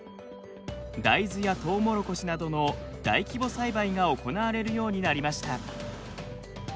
大豆やとうもろこしなどの大規模栽培が行われるようになりました。